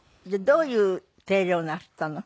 どういう手入れをなすったの？